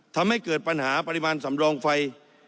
ทำให้เกิดปัญหาปริมาณสำรองไฟ